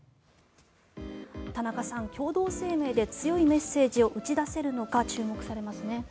田中さん、共同声明で強いメッセージを打ち出せるのか注目されますね。